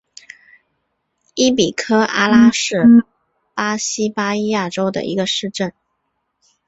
伊比科阿拉是巴西巴伊亚州的一个市镇。